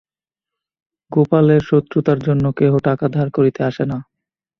গোপালের শক্রতার জন্য কেহ টাকা ধার করিতে আসে না।